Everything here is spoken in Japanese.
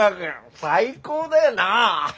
最高だよな。